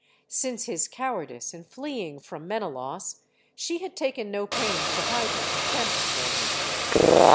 Since his cowardice in fleeing from Men elaus, she had taken no pains to hide her contempt for him.